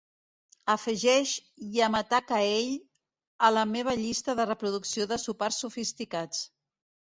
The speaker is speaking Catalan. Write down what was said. Afegeix "Yamataka Eye" a la meva llista de reproducció de sopars sofisticats